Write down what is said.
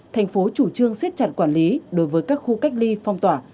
thành phố chủ trương xếp chặt quản lý đối với các khu cách ly phòng tỏa